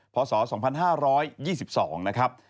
พศ๒๕๒๒นะครับ